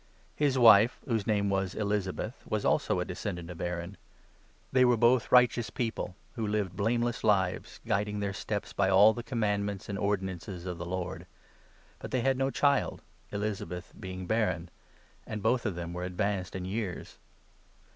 His wife, whose name was Elizabeth, was also a descendant of Aaron. They were both righteous people, who lived blameless 6 lives, guiding their steps by all the commandments and ordinances of the Lord. But they had no child, Elizabeth 7 being barren ; and both of them were advanced in years.